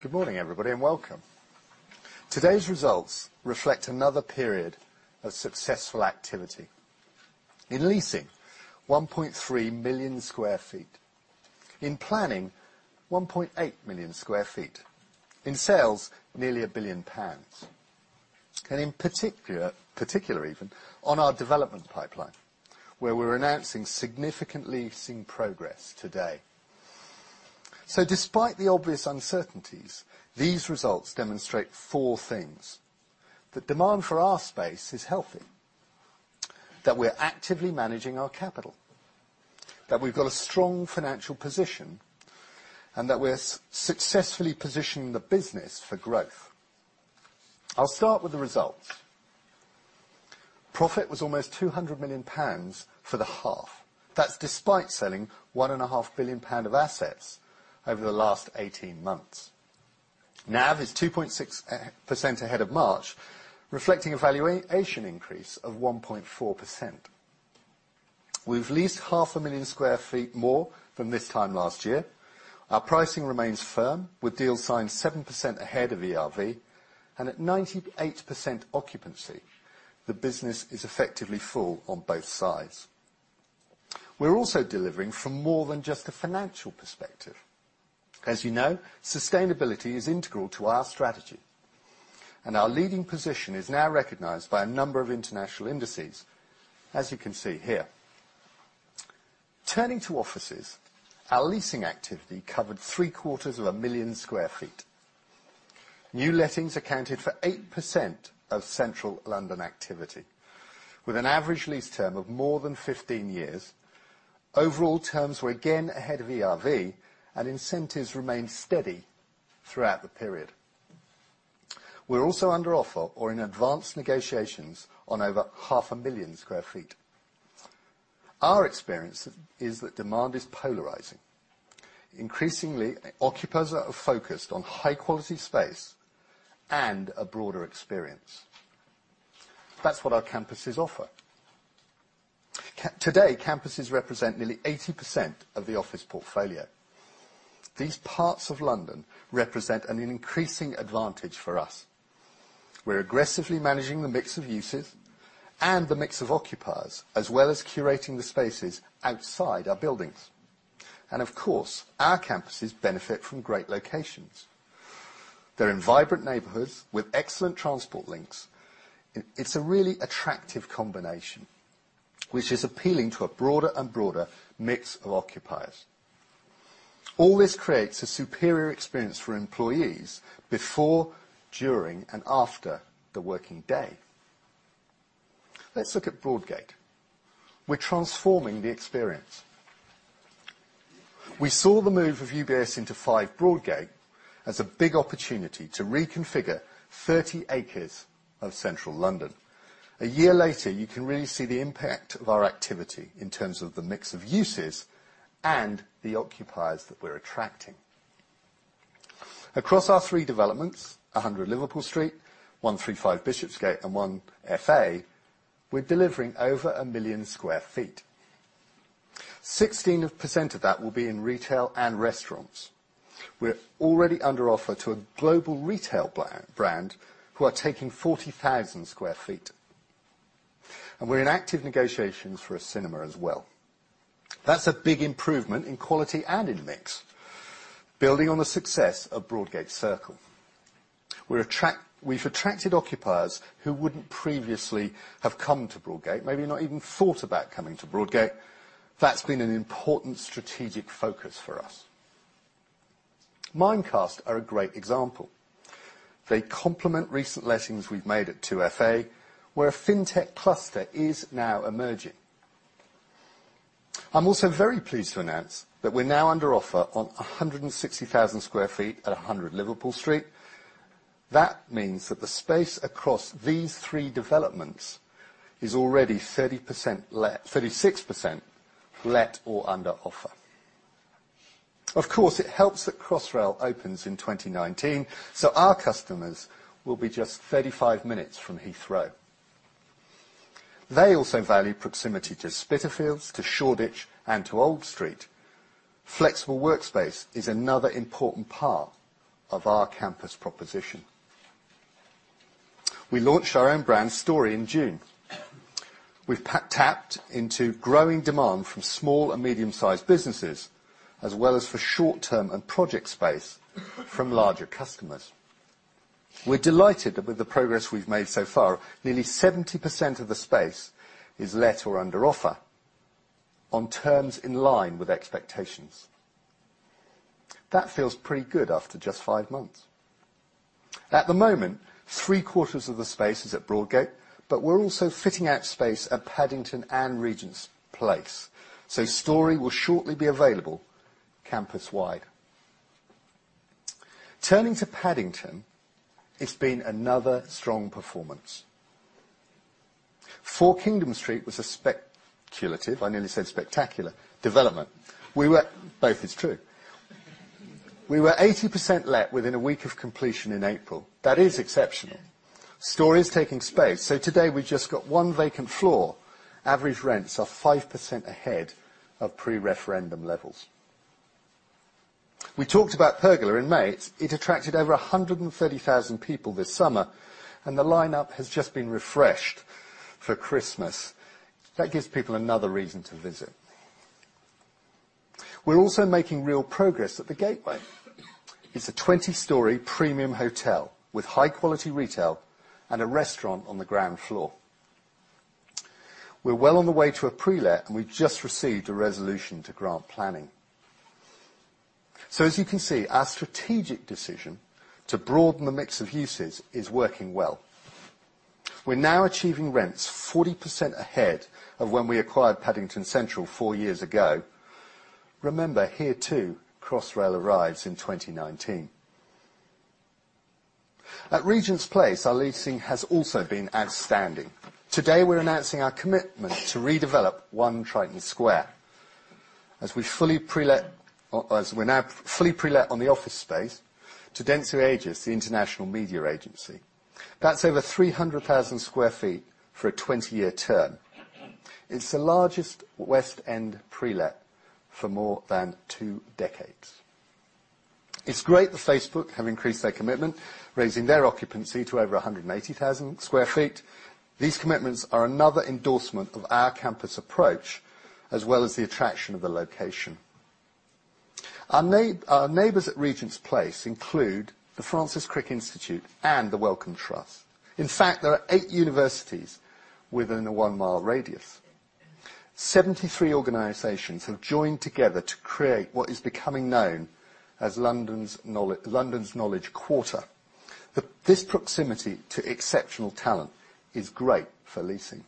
Good morning everybody, and welcome. Today's results reflect another period of successful activity. In leasing, 1.3 million sq ft. In planning, 1.8 million sq ft. In sales, nearly 1 billion pounds. In particular even, on our development pipeline, where we're announcing significant leasing progress today. Despite the obvious uncertainties, these results demonstrate four things. That demand for our space is healthy, that we're actively managing our capital, that we've got a strong financial position, and that we're successfully positioning the business for growth. I'll start with the results. Profit was almost 200 million pounds for the half. That's despite selling one and a half billion GBP of assets over the last 18 months. NAV is 2.6% ahead of March, reflecting a valuation increase of 1.4%. We've leased half a million sq ft more than this time last year. Our pricing remains firm, with deals signed 7% ahead of ERV and at 98% occupancy, the business is effectively full on both sides. We're also delivering from more than just a financial perspective. As you know, sustainability is integral to our strategy, and our leading position is now recognized by a number of international indices, as you can see here. Turning to offices, our leasing activity covered three quarters of a million sq ft. New lettings accounted for 8% of Central London activity, with an average lease term of more than 15 years. Overall terms were again ahead of ERV and incentives remained steady throughout the period. We're also under offer or in advanced negotiations on over half a million sq ft. Our experience is that demand is polarizing. Increasingly, occupiers are focused on high quality space and a broader experience. That's what our campuses offer. Today, campuses represent nearly 80% of the office portfolio. These parts of London represent an increasing advantage for us. We're aggressively managing the mix of uses and the mix of occupiers, as well as curating the spaces outside our buildings. Of course, our campuses benefit from great locations. They're in vibrant neighborhoods with excellent transport links. It's a really attractive combination, which is appealing to a broader and broader mix of occupiers. All this creates a superior experience for employees before, during, and after the working day. Let's look at Broadgate. We're transforming the experience. We saw the move of UBS into 5 Broadgate as a big opportunity to reconfigure 30 acres of Central London. A year later, you can really see the impact of our activity in terms of the mix of uses and the occupiers that we're attracting. Across our three developments, 100 Liverpool Street, 135 Bishopsgate, and 1FA, we're delivering over 1 million sq ft. 16% of that will be in retail and restaurants. We're already under offer to a global retail brand who are taking 40,000 sq ft. We're in active negotiations for a cinema as well. That's a big improvement in quality and in mix. Building on the success of Broadgate Circle. We've attracted occupiers who wouldn't previously have come to Broadgate, maybe not even thought about coming to Broadgate. That's been an important strategic focus for us. Mimecast are a great example. They complement recent lettings we've made at 2FA, where a FinTech cluster is now emerging. I'm also very pleased to announce that we're now under offer on 160,000 sq ft at 100 Liverpool Street. That means that the space across these three developments is already 36% let or under offer. It helps that Crossrail opens in 2019, our customers will be just 35 minutes from Heathrow. They also value proximity to Spitalfields, to Shoreditch, and to Old Street. Flexible workspace is another important part of our campus proposition. We launched our own brand Storey in June. We've tapped into growing demand from small and medium-sized businesses, as well as for short-term and project space from larger customers. We're delighted with the progress we've made so far. Nearly 70% of the space is let or under offer on terms in line with expectations. That feels pretty good after just five months. At the moment, three-quarters of the space is at Broadgate, but we're also fitting out space at Paddington and Regent's Place. Storey will shortly be available campus-wide. Turning to Paddington, it's been another strong performance. 4 Kingdom Street was a speculative, I nearly said spectacular, development. Both is true. We were 80% let within a week of completion in April. That is exceptional. Storey is taking space. Today, we just got one vacant floor. Average rents are 5% ahead of pre-referendum levels. We talked about Pergola in May. It attracted over 130,000 people this summer, and the lineup has just been refreshed for Christmas. That gives people another reason to visit. We're also making real progress at the Gateway. It's a 20-story premium hotel with high-quality retail and a restaurant on the ground floor. We're well on the way to a pre-let, and we've just received a resolution to grant planning. As you can see, our strategic decision to broaden the mix of uses is working well. We're now achieving rents 40% ahead of when we acquired Paddington Central four years ago. Remember, here too, Crossrail arrives in 2019. At Regent's Place, our leasing has also been outstanding. Today, we're announcing our commitment to redevelop One Triton Square as we're now fully pre-let on the office space to Dentsu Aegis, the international media agency. That's over 300,000 square feet for a 20-year term. It's the largest West End pre-let for more than two decades. It's great that Facebook have increased their commitment, raising their occupancy to over 180,000 square feet. These commitments are another endorsement of our campus approach, as well as the attraction of the location. Our neighbors at Regent's Place include The Francis Crick Institute and the Wellcome Trust. In fact, there are eight universities within a one-mile radius. 73 organizations have joined together to create what is becoming known as London's Knowledge Quarter. This proximity to exceptional talent is great for leasing.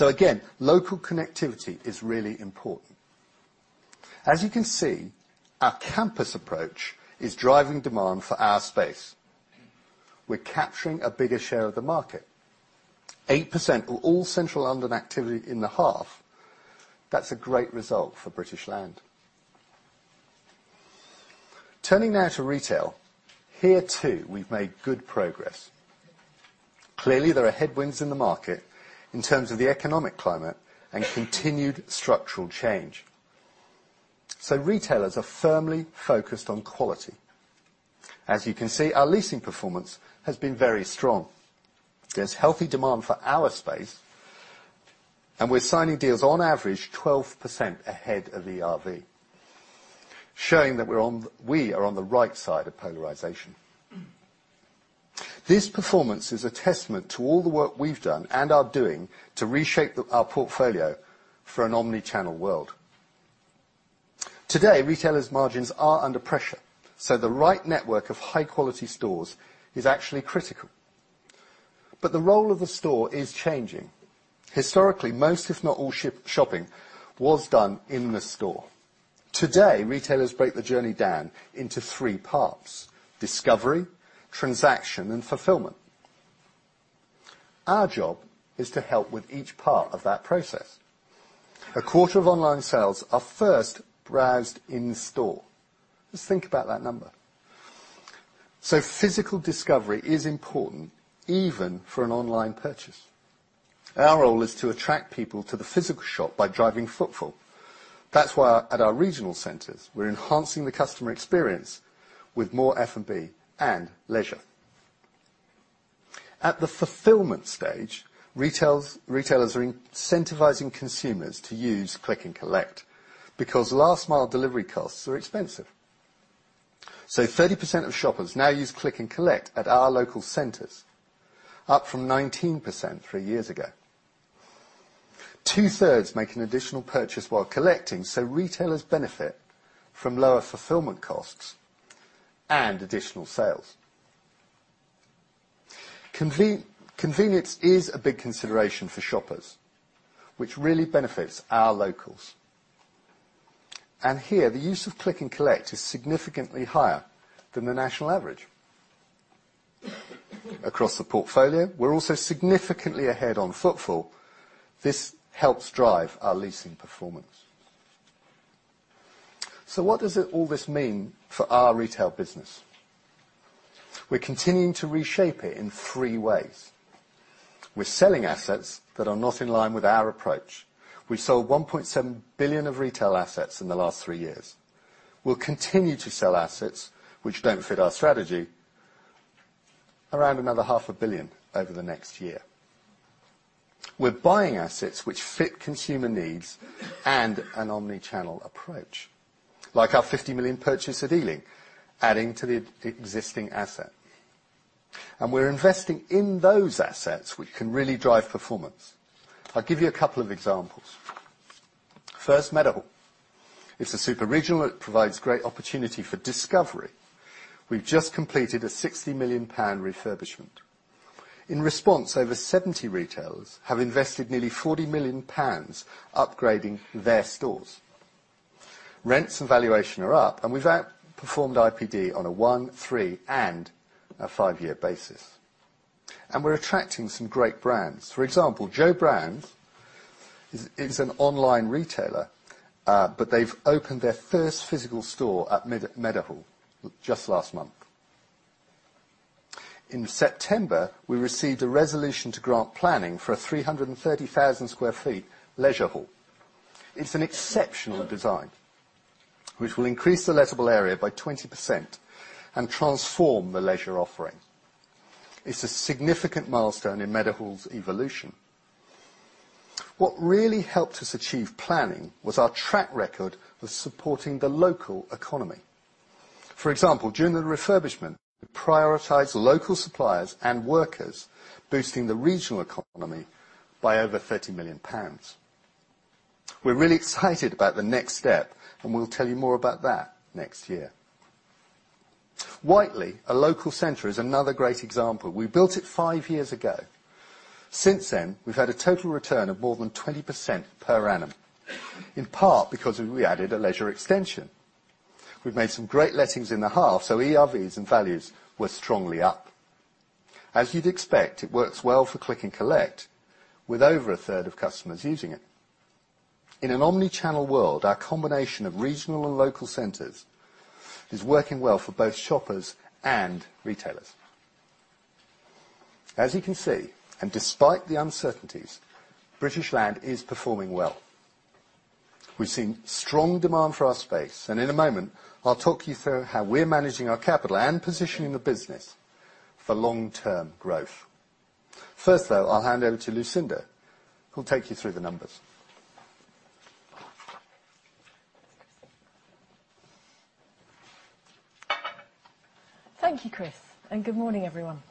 Again, local connectivity is really important. As you can see, our campus approach is driving demand for our space. We're capturing a bigger share of the market, 8% of all Central London activity in the half. That's a great result for British Land. Turning now to retail. Here, too, we've made good progress. Clearly, there are headwinds in the market in terms of the economic climate and continued structural change. Retailers are firmly focused on quality. As you can see, our leasing performance has been very strong. There's healthy demand for our space, and we're signing deals on average 12% ahead of ERV, showing that we are on the right side of polarization. This performance is a testament to all the work we've done and are doing to reshape our portfolio for an omni-channel world. Today, retailers' margins are under pressure, so the right network of high-quality stores is actually critical. The role of the store is changing. Historically, most, if not all, shopping was done in the store. Today, retailers break the journey down into three parts: discovery, transaction, and fulfillment. Our job is to help with each part of that process. A quarter of online sales are first browsed in-store. Just think about that number. Physical discovery is important even for an online purchase. Our role is to attract people to the physical shop by driving footfall. That's why at our regional centers, we're enhancing the customer experience with more F&B and leisure. At the fulfillment stage, retailers are incentivizing consumers to use click and collect because last-mile delivery costs are expensive. 30% of shoppers now use click and collect at our local centers, up from 19% three years ago. Two-thirds make an additional purchase while collecting. Retailers benefit from lower fulfillment costs and additional sales. Convenience is a big consideration for shoppers, which really benefits our locals. Here, the use of click and collect is significantly higher than the national average. Across the portfolio, we're also significantly ahead on footfall. This helps drive our leasing performance. What does all this mean for our retail business? We're continuing to reshape it in three ways. We're selling assets that are not in line with our approach. We sold 1.7 billion of retail assets in the last three years. We'll continue to sell assets which don't fit our strategy, around another GBP half a billion over the next year. We're buying assets which fit consumer needs and an omni-channel approach, like our 50 million purchase at Ealing, adding to the existing asset. We're investing in those assets which can really drive performance. I'll give you a couple of examples. First, Meadowhall. It's a super-regional that provides great opportunity for discovery. We've just completed a GBP 60 million refurbishment. In response, over 70 retailers have invested nearly GBP 40 million upgrading their stores. Rents and valuation are up. We've outperformed IPD on a one, three, and a five-year basis. We're attracting some great brands. For example, Joe Browns. It's an online retailer, but they've opened their first physical store at Meadowhall just last month. In September, we received a resolution to grant planning for a 330,000 sq ft leisure hall. It's an exceptional design which will increase the lettable area by 20% and transform the leisure offering. It's a significant milestone in Meadowhall's evolution. What really helped us achieve planning was our track record for supporting the local economy. For example, during the refurbishment, we prioritized local suppliers and workers, boosting the regional economy by over 30 million pounds. We're really excited about the next step. We'll tell you more about that next year. Whiteley, a local center, is another great example. We built it five years ago. Since then, we've had a total return of more than 20% per annum, in part because we added a leisure extension. We've made some great lettings in the half. ERVs and values were strongly up. As you'd expect, it works well for click and collect, with over a third of customers using it. In an omni-channel world, our combination of regional and local centers is working well for both shoppers and retailers. As you can see, despite the uncertainties, British Land is performing well. In a moment, I'll talk you through how we're managing our capital and positioning the business for long-term growth. First, though, I'll hand over to Lucinda, who'll take you through the numbers. Thank you, Chris, and good morning, everyone.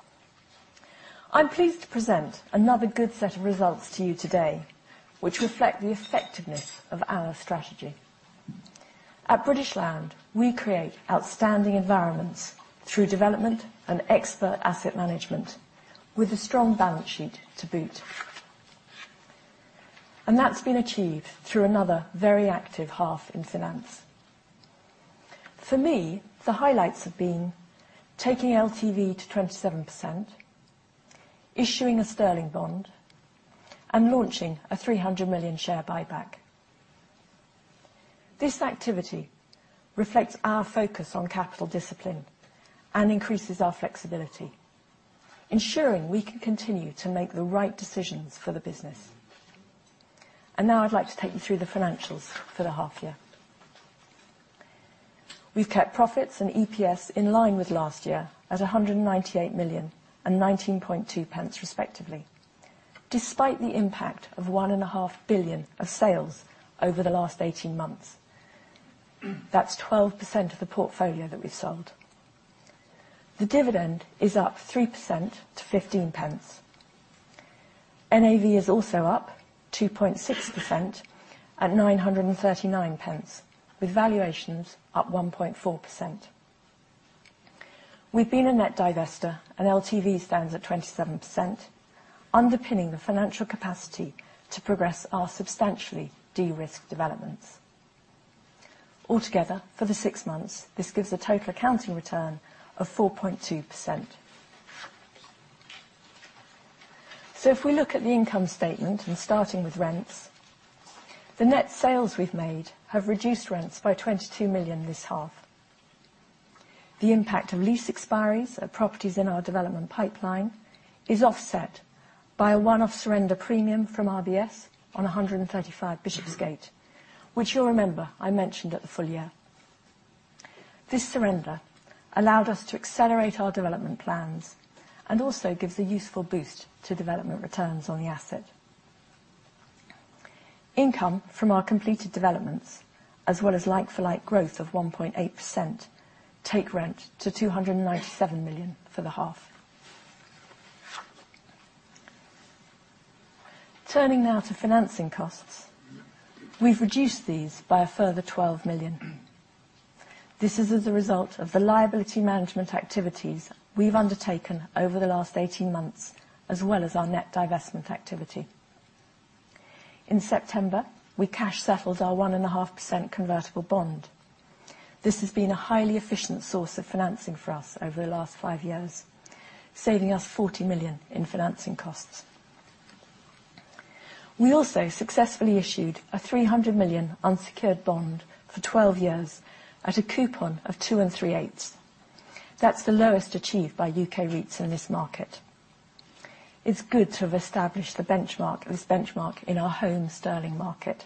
I'm pleased to present another good set of results to you today which reflect the effectiveness of our strategy. At British Land, we create outstanding environments through development and expert asset management, with a strong balance sheet to boot. That's been achieved through another very active half in finance. For me, the highlights have been taking LTV to 27%, issuing a sterling bond, and launching a 300 million share buyback. This activity reflects our focus on capital discipline and increases our flexibility, ensuring we can continue to make the right decisions for the business. Now I'd like to take you through the financials for the half year. We've kept profits and EPS in line with last year, at 198 million and 0.192 respectively, despite the impact of one and a half billion GBP of sales over the last 18 months. That's 12% of the portfolio that we've sold. The dividend is up 3% to 0.15. NAV is also up 2.6% at 9.39, with valuations up 1.4%. We've been a net divestor, and LTV stands at 27%, underpinning the financial capacity to progress our substantially de-risk developments. Altogether, for the six months, this gives a total accounting return of 4.2%. If we look at the income statement, starting with rents, the net sales we've made have reduced rents by 22 million this half. The impact of lease expiries of properties in our development pipeline is offset by a one-off surrender premium from RBS on 135 Bishopsgate, which you'll remember I mentioned at the full year. This surrender allowed us to accelerate our development plans and also gives a useful boost to development returns on the asset. Income from our completed developments, as well as like-for-like growth of 1.8%, take rent to 297 million for the half. Turning now to financing costs. We've reduced these by a further 12 million. This is as a result of the liability management activities we've undertaken over the last 18 months, as well as our net divestment activity. In September, we cash settled our 1.5% convertible bond. This has been a highly efficient source of financing for us over the last five years, saving us 40 million in financing costs. We also successfully issued a 300 million unsecured bond for 12 years at a coupon of two and three eighths. That's the lowest achieved by U.K. REITs in this market. It's good to have established this benchmark in our home sterling market.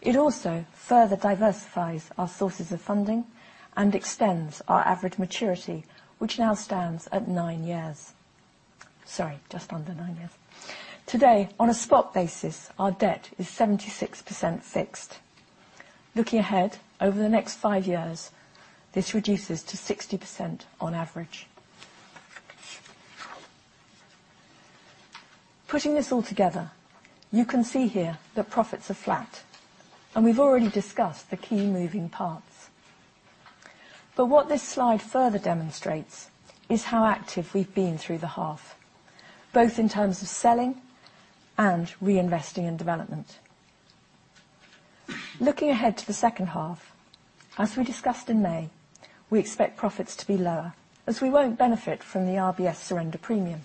It also further diversifies our sources of funding and extends our average maturity, which now stands at nine years. Sorry, just under nine years. Today, on a spot basis, our debt is 76% fixed. Looking ahead, over the next five years, this reduces to 60% on average. Putting this all together, you can see here that profits are flat, and we've already discussed the key moving parts. What this slide further demonstrates is how active we've been through the half, both in terms of selling and reinvesting in development. Looking ahead to the second half, as we discussed in May, we expect profits to be lower as we won't benefit from the RBS surrender premium,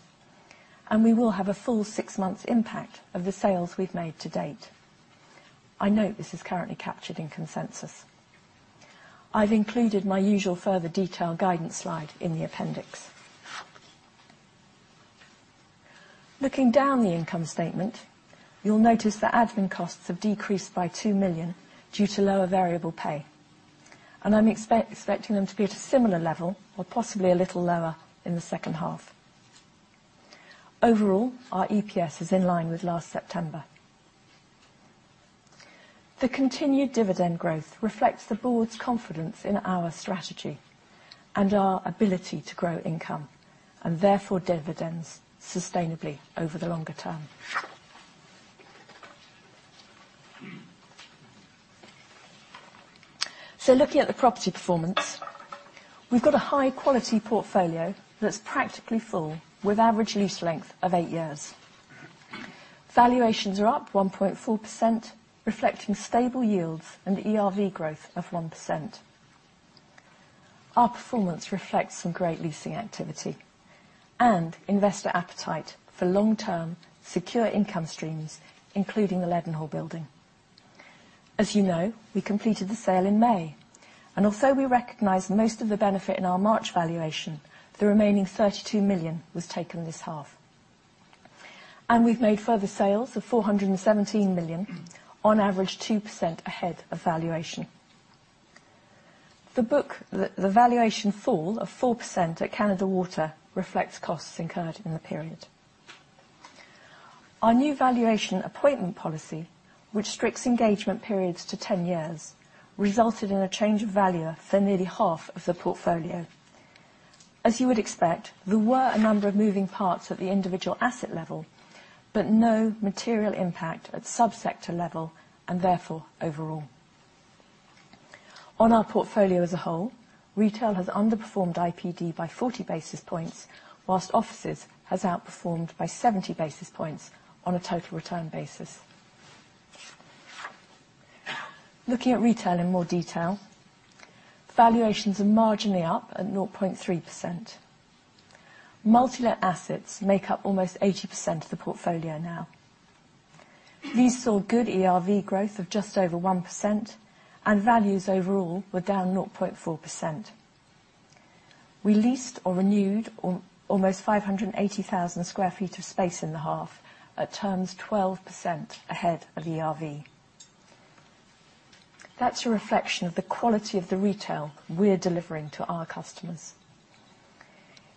and we will have a full six months impact of the sales we've made to date. I know this is currently captured in consensus. I've included my usual further detail guidance slide in the appendix. Looking down the income statement, you'll notice that admin costs have decreased by 2 million due to lower variable pay, I'm expecting them to be at a similar level or possibly a little lower in the second half. Overall, our EPS is in line with last September. The continued dividend growth reflects the board's confidence in our strategy and our ability to grow income, and therefore dividends sustainably over the longer term. Looking at the property performance, we've got a high quality portfolio that's practically full, with average lease length of eight years. Valuations are up 1.4%, reflecting stable yields and ERV growth of 1%. Our performance reflects some great leasing activity and investor appetite for long-term, secure income streams, including the Leadenhall Building. As you know, we completed the sale in May, although we recognized most of the benefit in our March valuation, the remaining 32 million was taken this half. We've made further sales of 417 million, on average 2% ahead of valuation. The valuation fall of 4% at Canada Water reflects costs incurred in the period. Our new valuation appointment policy, which restricts engagement periods to 10 years, resulted in a change of valuer for nearly half of the portfolio. As you would expect, there were a number of moving parts at the individual asset level, but no material impact at subsector level, and therefore overall. On our portfolio as a whole, retail has underperformed IPD by 40 basis points, whilst offices has outperformed by 70 basis points on a total return basis. Looking at retail in more detail, valuations are marginally up at 0.3%. Multi-let assets make up almost 80% of the portfolio now. These saw good ERV growth of just over 1%, and values overall were down 0.4%. We leased or renewed almost 580,000 sq ft of space in the half, at terms 12% ahead of ERV. That's a reflection of the quality of the retail we're delivering to our customers.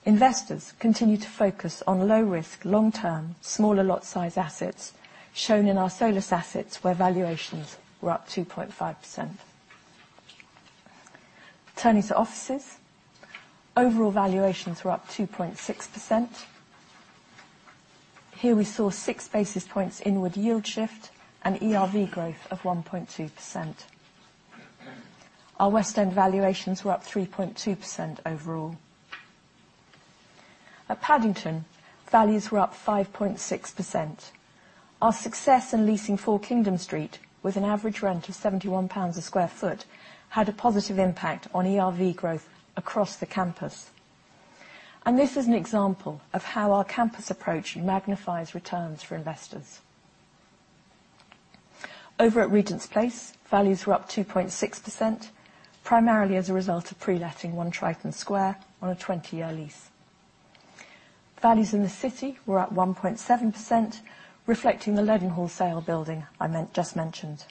Investors continue to focus on low risk, long-term, smaller lot size assets shown in our solus assets, where valuations were up 2.5%. Turning to offices, overall valuations were up 2.6%. Here we saw six basis points inward yield shift and ERV growth of 1.2%. Our West End valuations were up 3.2% overall. At Paddington, values were up 5.6%. Our success in leasing 4 Kingdom Street, with an average rent of 71 pounds a sq ft, had a positive impact on ERV growth across the campus. This is an example of how our campus approach magnifies returns for investors. Over at Regent's Place, values were up 2.6%, primarily as a result of pre-letting One Triton Square on a 20-year lease. Values in the City were at 1.7%, reflecting the Leadenhall sale building I just mentioned.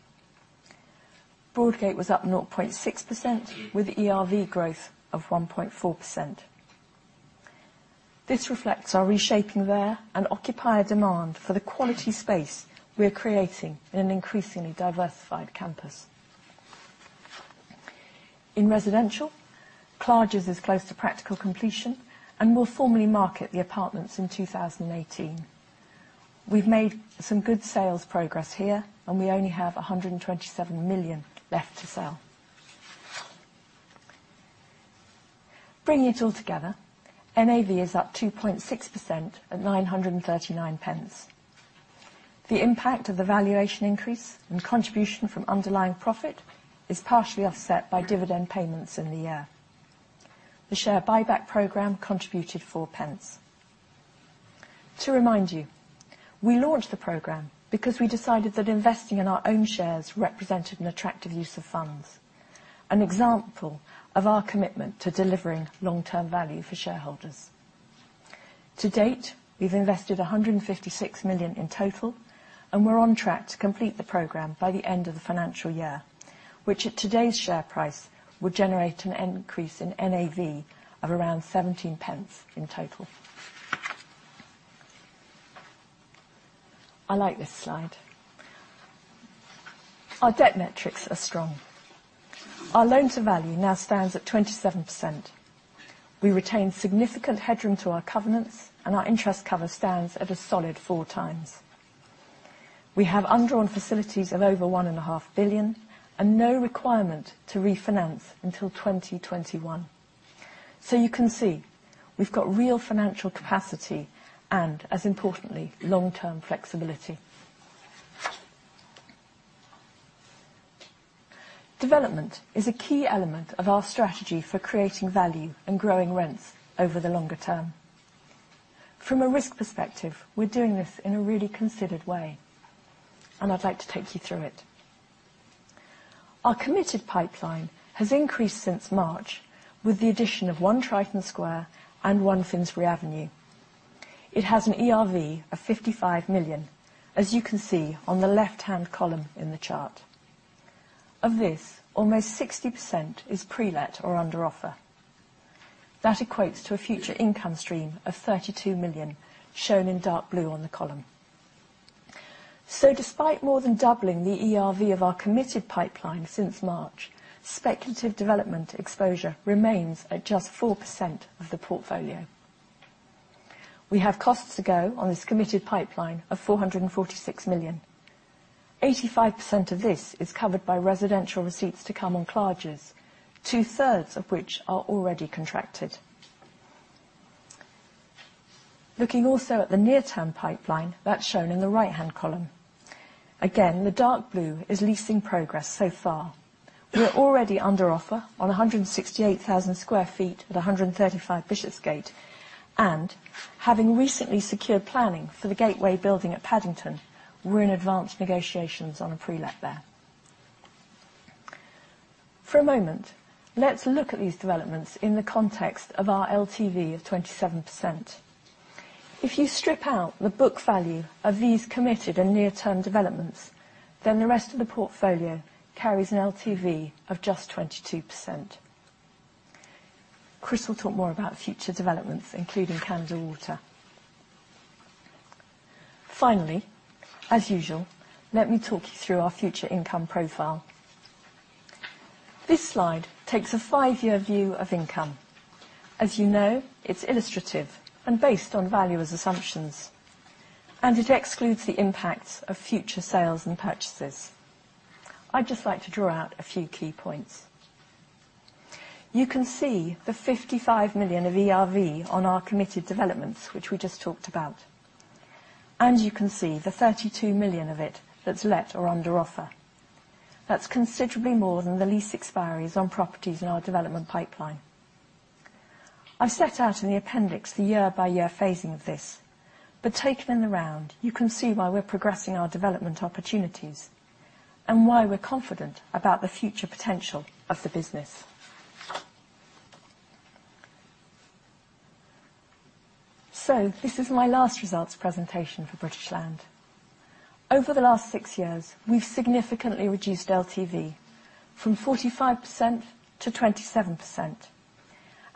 Broadgate was up 0.6%, with ERV growth of 1.4%. This reflects our reshaping there and occupier demand for the quality space we're creating in an increasingly diversified campus. In residential, Clarges is close to practical completion and will formally market the apartments in 2018. We've made some good sales progress here, and we only have 127 million left to sell. Bringing it all together, NAV is up 2.6% at 9.39. The impact of the valuation increase and contribution from underlying profit is partially offset by dividend payments in the year. The share buyback program contributed 0.04. To remind you, we launched the program because we decided that investing in our own shares represented an attractive use of funds, an example of our commitment to delivering long-term value for shareholders. To date, we've invested 156 million in total, and we're on track to complete the program by the end of the financial year, which at today's share price, would generate an increase in NAV of around 0.17 in total. I like this slide. Our debt metrics are strong. Our loan to value now stands at 27%. We retain significant headroom to our covenants, and our interest cover stands at a solid four times. We have undrawn facilities of over one and a half billion and no requirement to refinance until 2021. You can see we've got real financial capacity and, as importantly, long-term flexibility. Development is a key element of our strategy for creating value and growing rents over the longer term. From a risk perspective, we're doing this in a really considered way, and I'd like to take you through it. Our committed pipeline has increased since March with the addition of One Triton Square and 1 Finsbury Avenue. It has an ERV of 55 million, as you can see on the left-hand column in the chart. Of this, almost 60% is pre-let or under offer. That equates to a future income stream of 32 million, shown in dark blue on the column. Despite more than doubling the ERV of our committed pipeline since March, speculative development exposure remains at just 4% of the portfolio. We have costs to go on this committed pipeline of 446 million. 85% of this is covered by residential receipts to come on Clarges, two-thirds of which are already contracted. Looking also at the near-term pipeline, that's shown in the right-hand column. Again, the dark blue is leasing progress so far. We are already under offer on 168,000 sq ft at 135 Bishopsgate. Having recently secured planning for the Gateway building at Paddington, we're in advanced negotiations on a pre-let there. For a moment, let's look at these developments in the context of our LTV of 27%. If you strip out the book value of these committed and near-term developments, then the rest of the portfolio carries an LTV of just 22%. Chris will talk more about future developments, including Canada Water. Finally, as usual, let me talk you through our future income profile. This slide takes a five-year view of income. As you know, it's illustrative and based on value as assumptions, and it excludes the impacts of future sales and purchases. I'd just like to draw out a few key points. You can see the 55 million of ERV on our committed developments, which we just talked about. You can see the 32 million of it that's let or under offer. That's considerably more than the lease expiries on properties in our development pipeline. I've set out in the appendix the year-by-year phasing of this, taken in the round, you can see why we're progressing our development opportunities and why we're confident about the future potential of the business. This is my last results presentation for British Land. Over the last six years, we've significantly reduced LTV from 45% to 27%,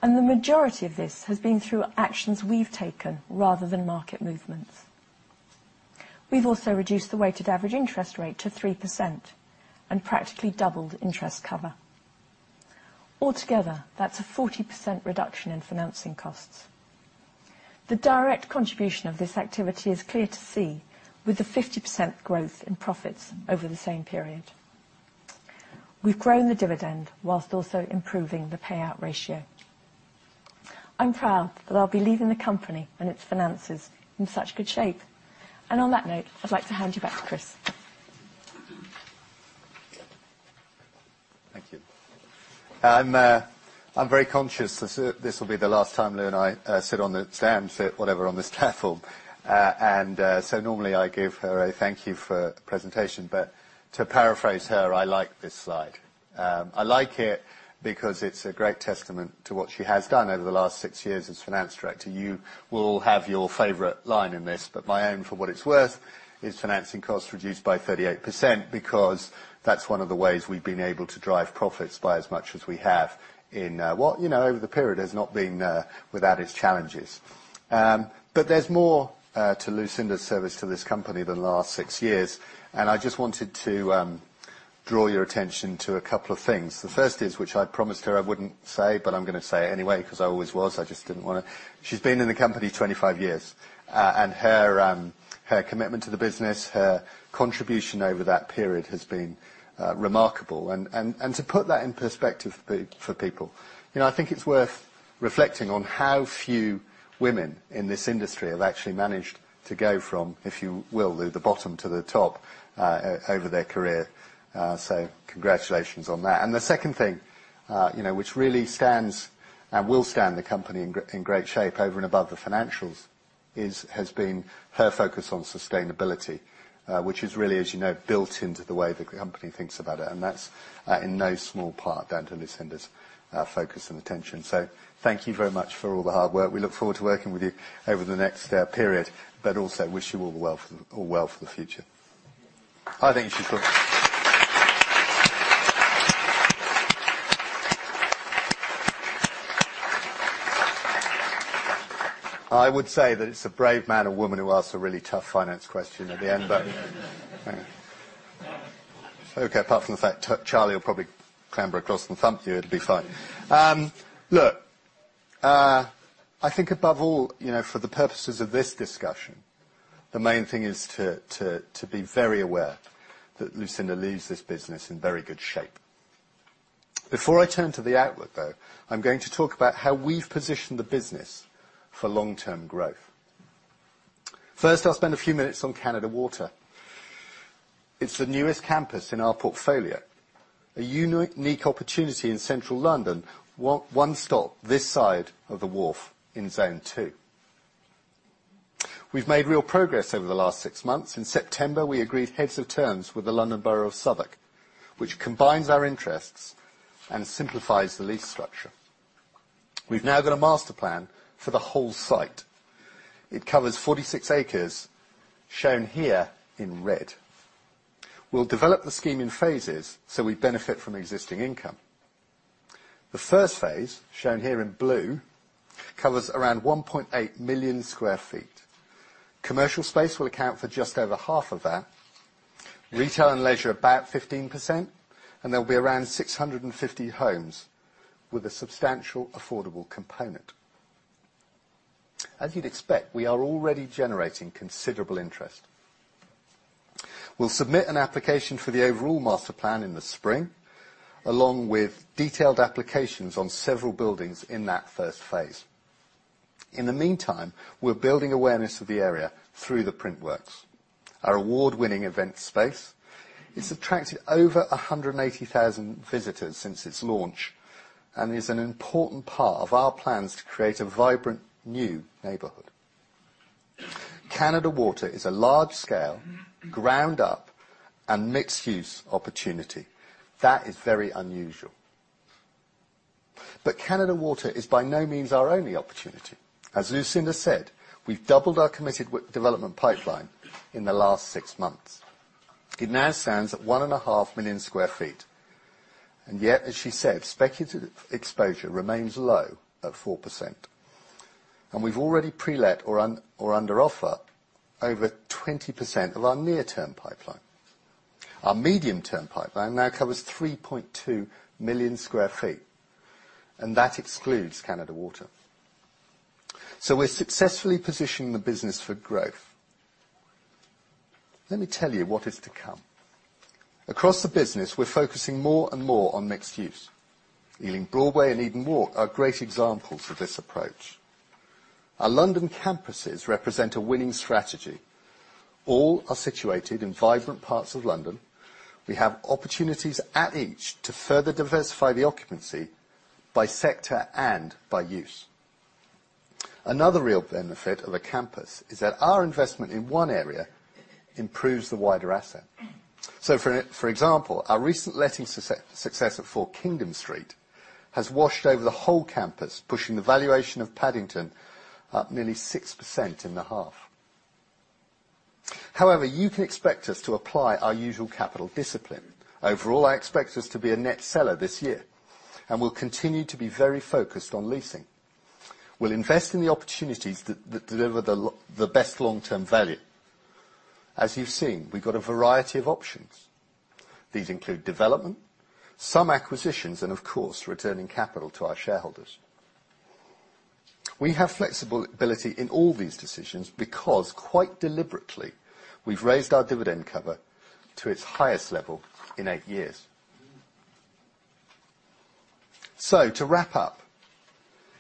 and the majority of this has been through actions we've taken rather than market movements. We've also reduced the weighted average interest rate to 3% and practically doubled interest cover. Altogether, that's a 40% reduction in financing costs. The direct contribution of this activity is clear to see with the 50% growth in profits over the same period. We've grown the dividend whilst also improving the payout ratio. I'm proud that I'll be leaving the company and its finances in such good shape. On that note, I'd like to hand you back to Chris. Thank you. I'm very conscious this will be the last time Lou and I sit on the stand, sit, whatever, on this platform. Normally, I give her a thank you for her presentation. To paraphrase her, I like this slide. I like it because it's a great testament to what she has done over the last six years as finance director. You will all have your favorite line in this, my own, for what it's worth, is financing costs reduced by 38%, because that's one of the ways we've been able to drive profits by as much as we have in what, over the period, has not been without its challenges. There's more to Lucinda's service to this company than the last six years, and I just wanted to draw your attention to a couple of things. The first is, which I promised her I wouldn't say, I'm going to say anyway because I always was, I just didn't want to. She's been in the company 25 years. Her commitment to the business, her contribution over that period has been remarkable. To put that in perspective for people, I think it's worth reflecting on how few women in this industry have actually managed to go from, if you will, Lou, the bottom to the top over their career. Congratulations on that. The second thing, which really stands and will stand the company in great shape over and above the financials, has been her focus on sustainability, which is really, as you know, built into the way the company thinks about it. That's in no small part down to Lucinda's focus and attention. Thank you very much for all the hard work. We look forward to working with you over the next period, but also wish you all well for the future. I think you should come up. I would say that it's a brave man or woman who asks a really tough finance question at the end, but okay, apart from the fact Charlie will probably clamber across and thump you, it'll be fine. Look, I think above all, for the purposes of this discussion, the main thing is to be very aware that Lucinda leaves this business in very good shape. Before I turn to the outlook, though, I'm going to talk about how we've positioned the business for long-term growth. First, I'll spend a few minutes on Canada Water. It's the newest campus in our portfolio, a unique opportunity in Central London, one stop this side of the wharf in Zone 2. We've made real progress over the last 6 months. In September, we agreed heads of terms with the London Borough of Southwark, which combines our interests and simplifies the lease structure. We've now got a master plan for the whole site. It covers 46 acres, shown here in red. We'll develop the scheme in phases so we benefit from existing income. The first phase, shown here in blue, covers around 1.8 million sq ft. Commercial space will account for just over half of that, retail and leisure about 15%, and there'll be around 650 homes with a substantial affordable component. As you'd expect, we are already generating considerable interest. We'll submit an application for the overall master plan in the spring, along with detailed applications on several buildings in that first phase. In the meantime, we're building awareness of the area through The Printworks, our award-winning event space. It's attracted over 180,000 visitors since its launch and is an important part of our plans to create a vibrant new neighborhood. Canada Water is a large-scale, ground-up, and mixed-use opportunity. That is very unusual. Canada Water is by no means our only opportunity. As Lucinda said, we've doubled our committed development pipeline in the last 6 months. It now stands at 1.5 million sq ft, and yet, as she said, speculative exposure remains low at 4%. We've already pre-let or under offer over 20% of our near-term pipeline. Our medium-term pipeline now covers 3.2 million sq ft, and that excludes Canada Water. We're successfully positioning the business for growth. Let me tell you what is to come. Across the business, we're focusing more and more on mixed-use. Ealing Broadway and Eden Walk are great examples of this approach. Our London campuses represent a winning strategy. All are situated in vibrant parts of London. We have opportunities at each to further diversify the occupancy by sector and by use. Another real benefit of a campus is that our investment in one area improves the wider asset. For example, our recent letting success at 4 Kingdom Street has washed over the whole campus, pushing the valuation of Paddington up nearly 6% in the half. However, you can expect us to apply our usual capital discipline. Overall, I expect us to be a net seller this year, and we'll continue to be very focused on leasing. We'll invest in the opportunities that deliver the best long-term value. As you've seen, we've got a variety of options. These include development, some acquisitions, and of course, returning capital to our shareholders. We have flexibility in all these decisions because quite deliberately, we've raised our dividend cover to its highest level in 8 years. To wrap up,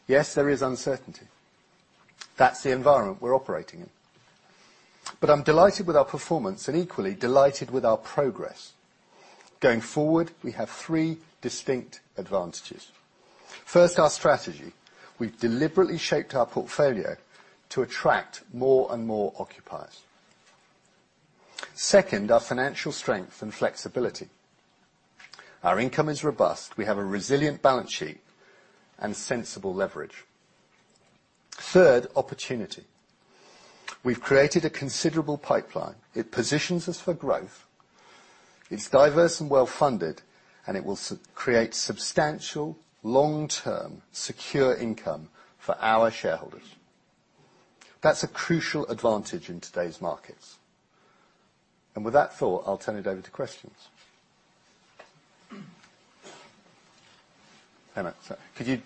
yes, there is uncertainty. That's the environment we're operating in. I'm delighted with our performance and equally delighted with our progress. Going forward, we have 3 distinct advantages. First, our strategy. We've deliberately shaped our portfolio to attract more and more occupiers. Second, our financial strength and flexibility. Our income is robust. We have a resilient balance sheet and sensible leverage. Third, opportunity. We've created a considerable pipeline. It positions us for growth. It's diverse and well-funded, and it will create substantial, long-term, secure income for our shareholders. That's a crucial advantage in today's markets. With that thought, I'll turn it over to questions. Emma, could you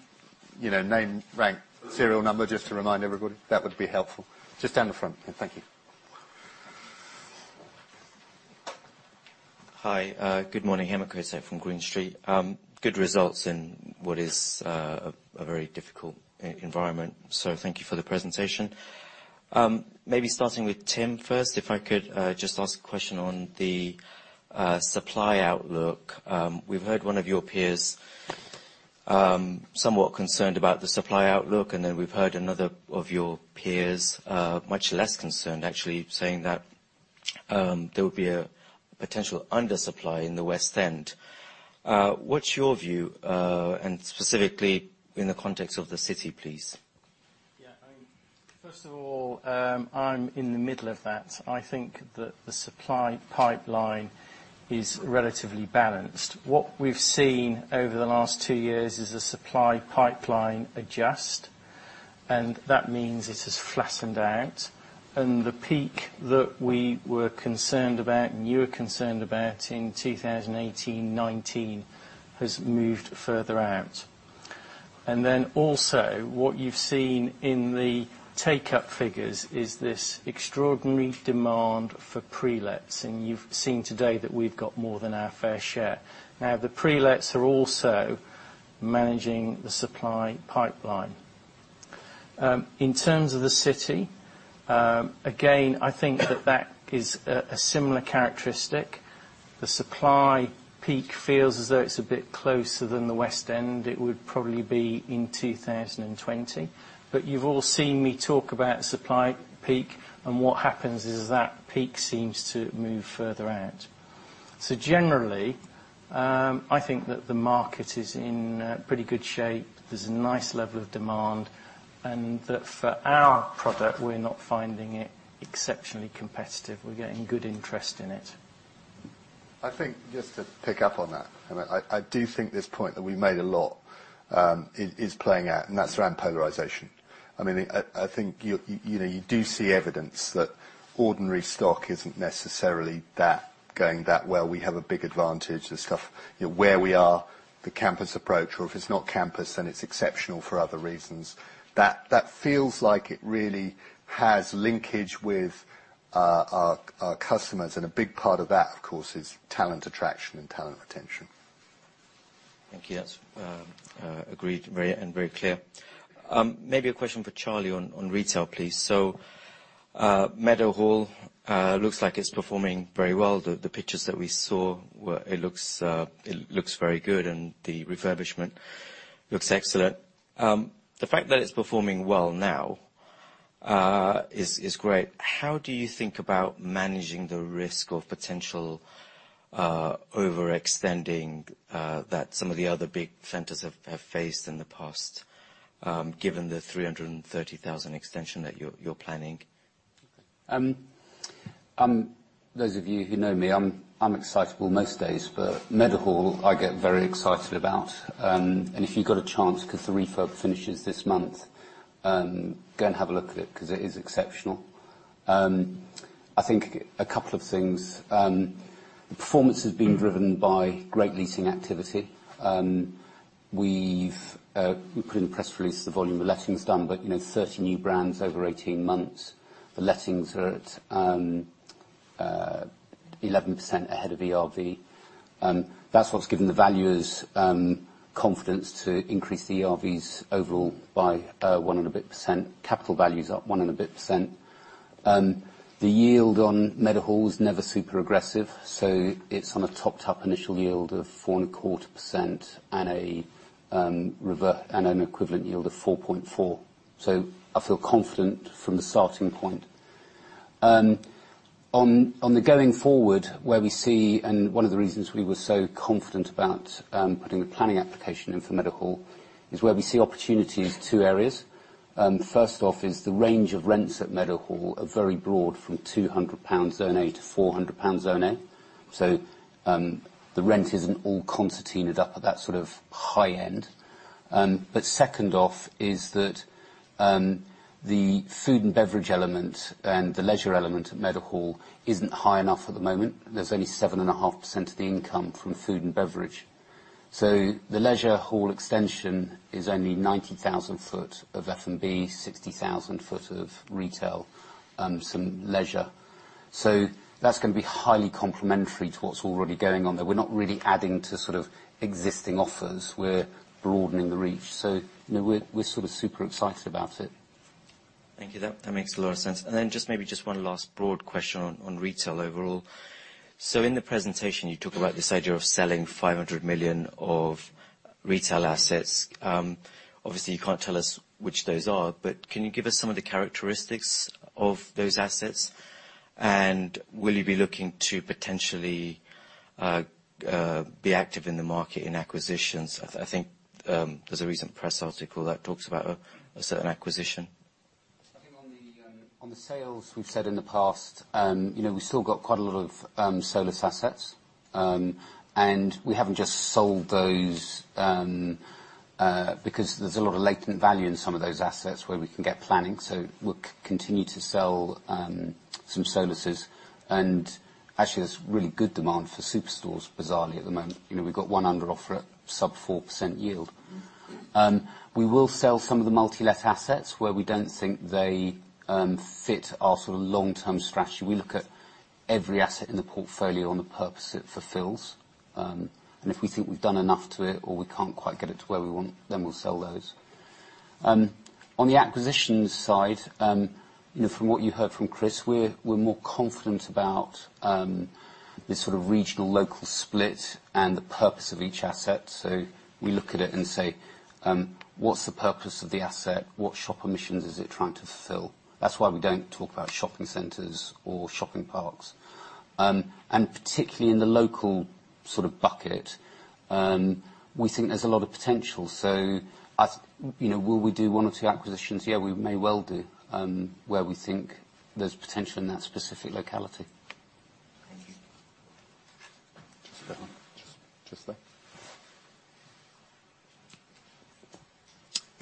name, rank, serial number just to remind everybody? That would be helpful. Just down the front. Thank you. Hi. Good morning. Hemant Kotecha from Green Street. Good results in what is a very difficult environment. Thank you for the presentation. Maybe starting with Tim first, if I could just ask a question on the supply outlook. We've heard one of your peers somewhat concerned about the supply outlook, and then we've heard another of your peers much less concerned, actually, saying that there will be a potential undersupply in the West End. What's your view, and specifically in the context of the City, please? Yeah. First of all, I'm in the middle of that. I think that the supply pipeline is relatively balanced. What we've seen over the last 2 years is the supply pipeline adjust, and that means it has flattened out, and the peak that we were concerned about and you were concerned about in 2018, 2019, has moved further out. Also, what you've seen in the take-up figures is this extraordinary demand for pre-lets, and you've seen today that we've got more than our fair share. The pre-lets are also managing the supply pipeline. In terms of the City, again, I think that is a similar characteristic. The supply peak feels as though it's a bit closer than the West End. It would probably be in 2020. You've all seen me talk about supply peak, and what happens is that peak seems to move further out. Generally, I think that the market is in pretty good shape, there's a nice level of demand, and that for our product, we're not finding it exceptionally competitive. We're getting good interest in it. I think just to pick up on that, I do think this point that we made a lot is playing out, and that's around polarization. I think you do see evidence that ordinary stock isn't necessarily going that well. We have a big advantage of stuff. Where we are, the campus approach, or if it's not campus, then it's exceptional for other reasons. That feels like it really has linkage with our customers. A big part of that, of course, is talent attraction and talent retention. Thank you. That's agreed and very clear. Maybe a question for Charlie on retail, please. Meadowhall, looks like it's performing very well. The pictures that we saw, it looks very good, and the refurbishment looks excellent. The fact that it's performing well now is great. How do you think about managing the risk of potential overextending that some of the other big centers have faced in the past, given the 330,000 extension that you're planning? Those of you who know me, I'm excitable most days, but Meadowhall, I get very excited about. If you got a chance, because the refurb finishes this month, go and have a look at it because it is exceptional. I think a couple of things. The performance has been driven by great leasing activity. We put in the press release, the volume of lettings done, but 30 new brands over 18 months. The lettings are at 11% ahead of ERV. That's what's given the valuers confidence to increase the ERVs overall by 100%. Capital value is up one and a bit %. The yield on Meadowhall is never super aggressive, so it's on a topped-up initial yield of 4.25% and an equivalent yield of 4.4%. I feel confident from the starting point. On the going forward, where we see, and one of the reasons we were so confident about putting the planning application in for Meadowhall is where we see opportunities, two areas. First off is the range of rents at Meadowhall are very broad from 200 pounds Zone A to 400 pounds Zone A. The rent isn't all concertina-ed up at that sort of high end. Second off is that, the food and beverage element and the leisure element at Meadowhall isn't high enough at the moment. There's only 7.5% of the income from food and beverage. The leisure hall extension is only 90,000 sq ft of F&B, 60,000 sq ft of retail, some leisure. That's going to be highly complementary to what's already going on there. We're not really adding to sort of existing offers. We're broadening the reach. We're super excited about it. Thank you. That makes a lot of sense. Then just maybe just one last broad question on retail overall. In the presentation, you talk about this idea of selling 500 million of retail assets. Obviously, you can't tell us which those are, but can you give us some of the characteristics of those assets? Will you be looking to potentially be active in the market in acquisitions? There's a recent press article that talks about a certain acquisition. On the sales we've said in the past, we still got quite a lot of solus assets. We haven't just sold those because there's a lot of latent value in some of those assets where we can get planning. We'll continue to sell some solus, and actually, there's really good demand for superstores, bizarrely, at the moment. We've got one under offer at sub 4% yield. We will sell some of the multi-let assets where we don't think they fit our long-term strategy. We look at every asset in the portfolio on the purpose it fulfills. If we think we've done enough to it or we can't quite get it to where we want, then we'll sell those. On the acquisitions side, from what you heard from Chris, we're more confident about this sort of regional local split and the purpose of each asset. We look at it and say, "What's the purpose of the asset? What shopper missions is it trying to fulfill?" That's why we don't talk about shopping centers or shopping parks. Particularly in the local sort of bucket, we think there's a lot of potential. Will we do one or two acquisitions? We may well do, where we think there's potential in that specific locality.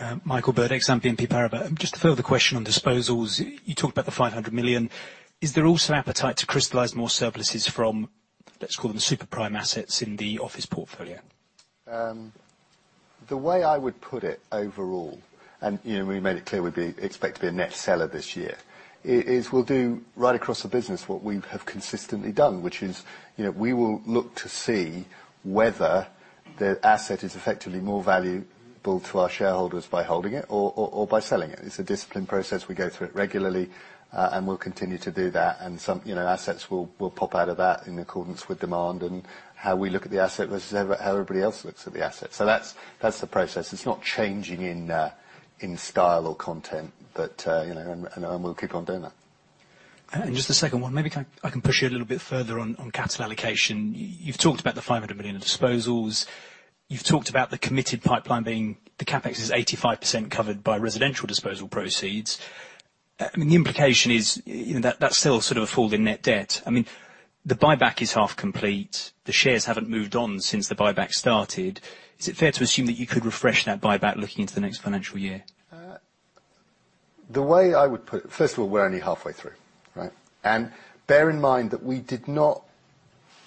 Thank you. Just stay. Michael Bird, Exane BNP Paribas. Just a further question on disposals. You talked about the 500 million. Is there also appetite to crystallize more surpluses from? Let's call them super prime assets in the office portfolio. The way I would put it overall, we made it clear we expect to be a net seller this year, is we'll do right across the business what we have consistently done, which is we will look to see whether the asset is effectively more valuable to our shareholders by holding it or by selling it. It's a disciplined process. We go through it regularly, and we'll continue to do that, and some assets will pop out of that in accordance with demand and how we look at the asset versus how everybody else looks at the asset. That's the process. It's not changing in style or content. We'll keep on doing that. Just the second one, maybe I can push you a little bit further on capital allocation. You've talked about the 500 million of disposals. You've talked about the committed pipeline being the CapEx is 85% covered by residential disposal proceeds. The implication is that that's still sort of a fall in net debt. The buyback is half complete. The shares haven't moved on since the buyback started. Is it fair to assume that you could refresh that buyback looking into the next financial year? The way I would put it, first of all, we're only halfway through, right? Bear in mind that we did not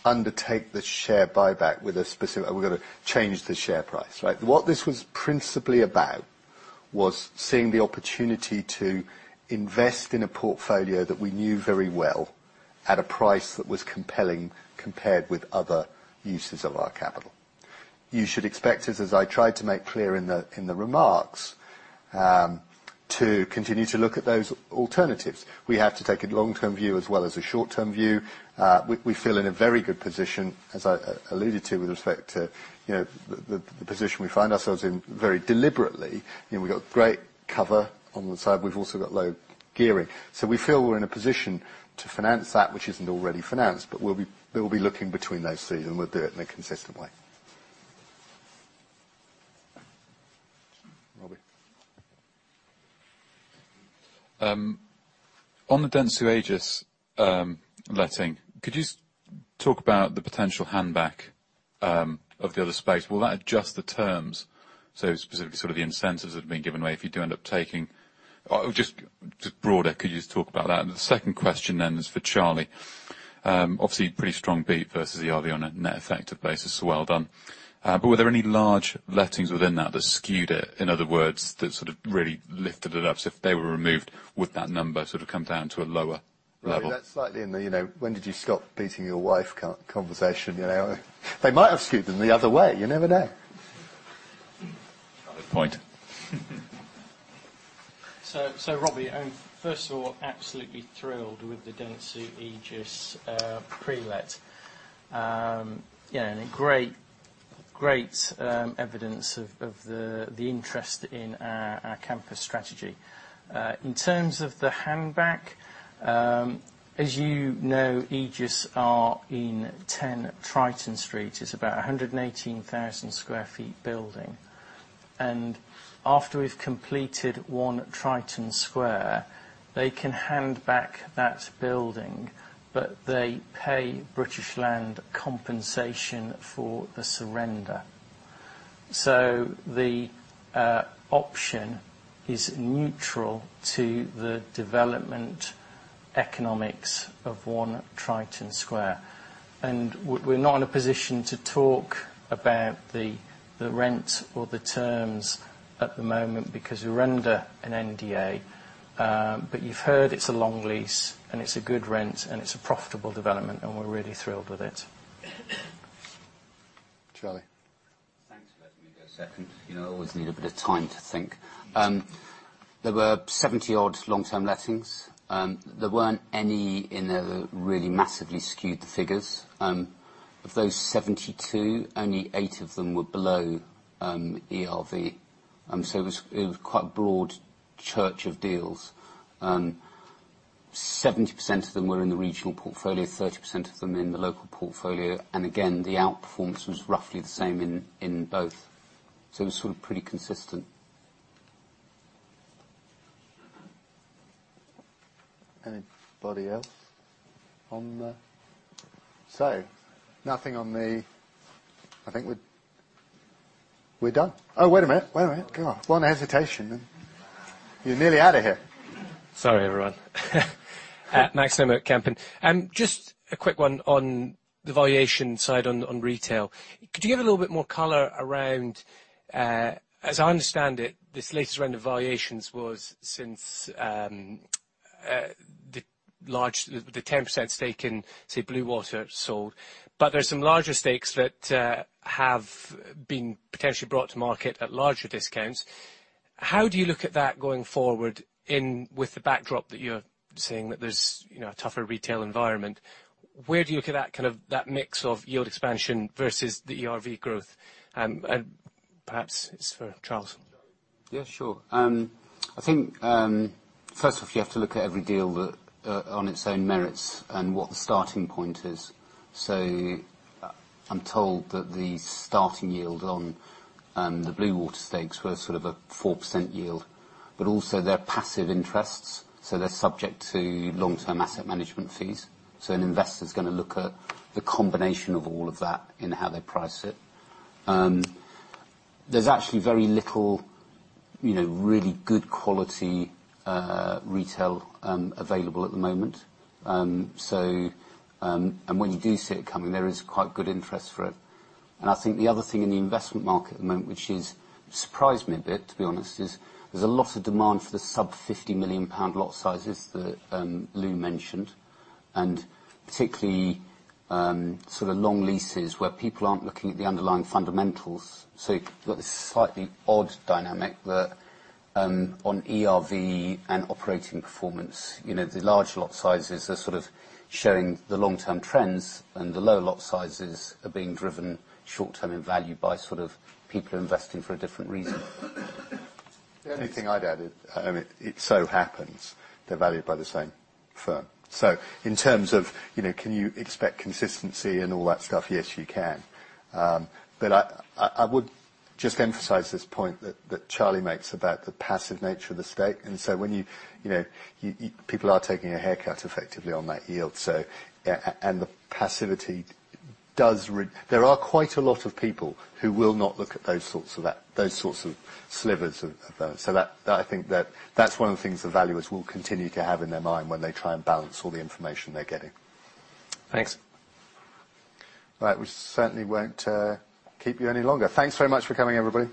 undertake the share buyback with a specific, we're going to change the share price, right? What this was principally about was seeing the opportunity to invest in a portfolio that we knew very well at a price that was compelling compared with other uses of our capital. You should expect us, as I tried to make clear in the remarks, to continue to look at those alternatives. We have to take a long-term view as well as a short-term view. We feel in a very good position, as I alluded to with respect to the position we find ourselves in very deliberately. We got great cover on the side. We've also got low gearing. We feel we're in a position to finance that which isn't already financed, but we'll be looking between those two, we'll do it in a consistent way. Robbie. The Dentsu Aegis letting, could you talk about the potential hand back of the other space? Will that adjust the terms, specifically sort of the incentives that have been given away if you do end up taking Just broader, could you just talk about that? The second question is for Charlie. Obviously pretty strong beat versus the ERV on a net effective basis, so well done. Were there any large lettings within that that skewed it, in other words, that sort of really lifted it up? If they were removed, would that number sort of come down to a lower level? That's slightly in the when did you stop beating your wife conversation, you know? They might have skewed them the other way. You never know. Valid point. Robbie, first of all, absolutely thrilled with the Dentsu Aegis pre-let. Great evidence of the interest in our campus strategy. In terms of the hand back, as you know, Aegis are in 10 Triton Street. It's about 118,000 sq ft building. After we've completed One Triton Square, they can hand back that building, but they pay British Land compensation for the surrender. The option is neutral to the development economics of One Triton Square. We're not in a position to talk about the rent or the terms at the moment because we're under an NDA. You've heard it's a long lease and it's a good rent and it's a profitable development, and we're really thrilled with it. Charlie. Thanks for letting me go second. I always need a bit of time to think. There were 70 odd long-term lettings. There weren't any in there that really massively skewed the figures. Of those 72, only eight of them were below ERV. It was quite a broad church of deals. 70% of them were in the regional portfolio, 30% of them in the local portfolio. Again, the outperformance was roughly the same in both. It was sort of pretty consistent. Anybody else on the Nothing on the I think we're done. Wait a minute. Wait a minute. God. One hesitation and you're nearly out of here. Sorry, everyone. Max Nimmo. Just a quick one on the valuation side on retail. Could you give a little bit more color around, as I understand it, this latest round of valuations was since the 10% stake in, say, Bluewater sold. There are some larger stakes that have been potentially brought to market at larger discounts. How do you look at that going forward in with the backdrop that you're saying that there's a tougher retail environment? Where do you look at that mix of yield expansion versus the ERV growth? Perhaps it's for Charles. Sure. I think, first off, you have to look at every deal on its own merits and what the starting point is. I'm told that the starting yield on the Bluewater stakes were sort of a 4% yield, also they're passive interests, they're subject to long-term asset management fees. An investor's going to look at the combination of all of that in how they price it. There's actually very little really good quality retail available at the moment. When you do see it coming, there is quite good interest for it. I think the other thing in the investment market at the moment, which has surprised me a bit, to be honest, is there's a lot of demand for the sub 50 million pound lot sizes that Lou mentioned, particularly sort of long leases where people aren't looking at the underlying fundamentals. You've got this slightly odd dynamic that on ERV and operating performance, the large lot sizes are sort of showing the long-term trends and the low lot sizes are being driven short-term in value by sort of people investing for a different reason. The only thing I'd added, it so happens they're valued by the same firm. In terms of can you expect consistency and all that stuff, yes, you can. But I would just emphasize this point that Charlie makes about the passive nature of the stake. People are taking a haircut effectively on that yield. There are quite a lot of people who will not look at those sorts of slivers of those. I think that that's one of the things the valuers will continue to have in their mind when they try and balance all the information they're getting. Thanks. Right. We certainly won't keep you any longer. Thanks very much for coming, everybody.